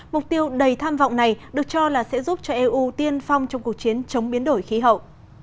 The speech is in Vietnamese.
mục tiêu đầy tham vọng này được cho là sẽ giúp cho eu tiên phong trong cuộc chiến chống biến đổi khí hậu